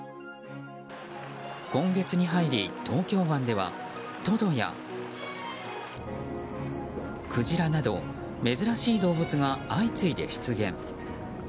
今月に入り、東京湾ではトドやクジラなど珍しい動物が相次いで出現。